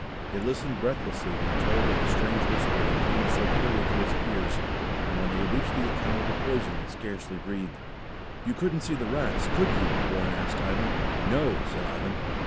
They listened breathlessly when he told of the strange whisper that came so clearly to his ears, and when they reached the account of the poison they scarcely breathed. "You couldn't see the rats, could you?" Warren asked Ivan. "No!" said Ivan.